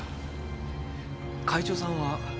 会長さんは？